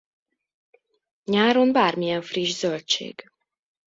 Nyáron bármilyen friss zöldség.